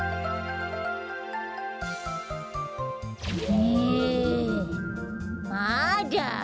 ねえまだ？